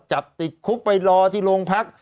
จับติดคุกไปรอที่โรงพัก